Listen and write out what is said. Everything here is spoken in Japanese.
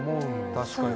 確かに。